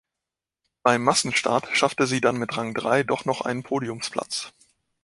Beim Massenstart schaffte sie dann mit Rang drei doch noch einen Podiumsplatz.